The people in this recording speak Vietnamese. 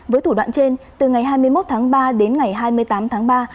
với thủ đoạn trên từ ngày hai mươi một tháng ba đến ngày hai mươi tám tháng ba